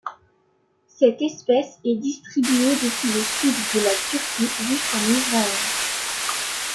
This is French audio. Cette espèce est distribuée depuis le Sud de la Turquie jusqu'en Israël.